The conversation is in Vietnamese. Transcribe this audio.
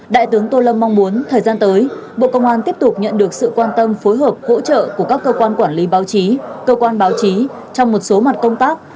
đại tướng tô lâm mong muốn thời gian tới bộ công an tiếp tục nhận được sự quan tâm phối hợp hỗ trợ của các cơ quan quản lý báo chí cơ quan báo chí trong một số mặt công tác